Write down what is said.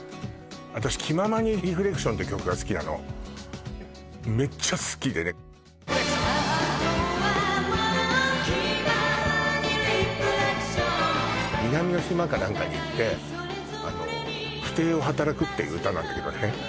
私「気ままにＲＥＦＬＥＣＴＩＯＮ」って曲が好きなのめっちゃ好きで南の島かなんかに行って不貞をはたらくっていう歌なんだけどね